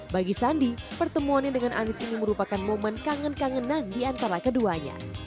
bagi sandi pertemuannya dengan anies ini merupakan momen kangen kangenan di antara keduanya